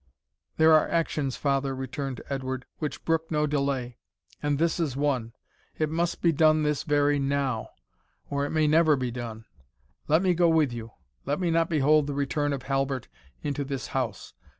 "There are actions, father," returned Edward, "which brook no delay, and this is one. It must be done this very now; or it may never be done. Let me go with you; let me not behold the return of Halbert into this house.